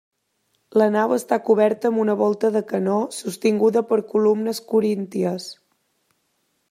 La nau està coberta amb una volta de canó sostinguda per columnes corínties.